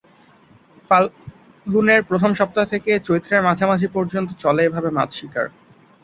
ফাল্গুনের প্রথম সপ্তাহ থেকে চৈত্রের মাঝামাঝি পর্যন্ত চলে এভাবে মাছ শিকার।